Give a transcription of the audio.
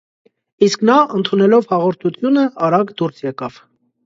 Իսկ նա, ընդունելով հաղորդությունը, արագ դուրս եկավ։